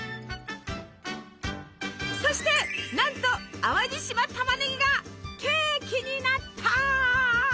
そしてなんと淡路島たまねぎがケーキになった！